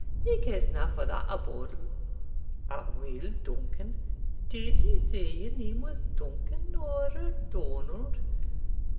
'He cares na for that a bodle.' 'Aweel, Duncan did ye say your name was Duncan, or Donald?'